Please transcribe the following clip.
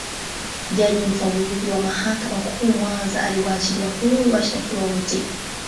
Jaji Mfawidhi wa Mahakama Kuu Mwanza aliwaachilia huru washitakiwa wote